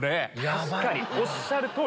確かにおっしゃる通り！